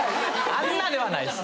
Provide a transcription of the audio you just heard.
あんなではないです。